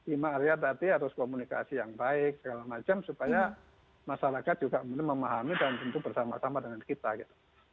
ima arya tadi harus komunikasi yang baik segala macam supaya masyarakat juga memahami dan tentu bersama sama dengan kita gitu